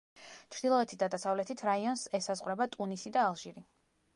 ჩრდილოეთით და დასავლეთით რაიონს ესაზღვრება ტუნისი და ალჟირი.